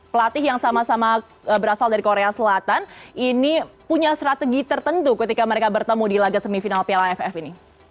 pelatih yang sama sama berasal dari korea selatan ini punya strategi tertentu ketika mereka bertemu di laga semifinal piala aff ini